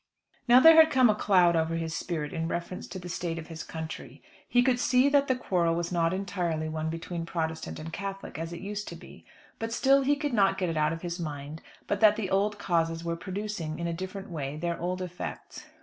Now there had come a cloud over his spirit in reference to the state of his country. He could see that the quarrel was not entirely one between Protestant and Catholic as it used to be, but still he could not get it out of his mind, but that the old causes were producing in a different way their old effects.